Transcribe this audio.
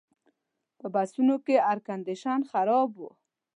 په بسونو کې ایرکنډیشن خراب و.